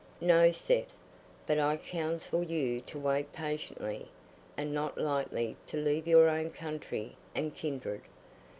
"No, Seth; but I counsel you to wait patiently, and not lightly to leave your own country and kindred.